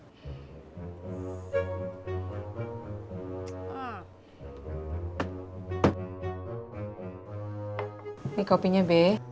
ini kopinya be